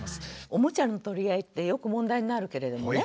おもちゃの取り合いってよく問題になるけれどもね。